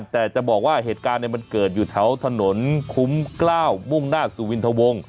แต่จะบอกว่าเหตุการณ์มันเกิดอยู่แถวถนนคุ้มกล้าวมุ่งหน้าสุวินทวง